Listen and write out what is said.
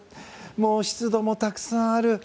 もう湿度もたくさんある。